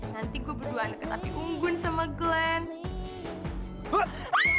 nanti gue berdua neket api unggun sama glenn